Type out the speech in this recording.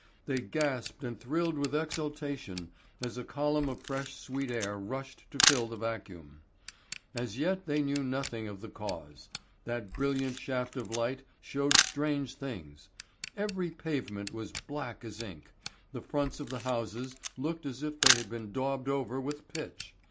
They gasped and thrilled with exultation as a column of fresh sweet air rushed to fill the vacuum. As yet they knew nothing of the cause. That brilliant shaft of light showed strange things. Every pavement was black as ink, the fronts of the houses looked as if they had been daubed over with pitch.